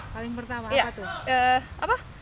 paling pertama apa tuh